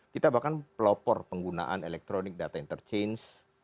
kita bahkan pelopor penggunaan electronic data interchange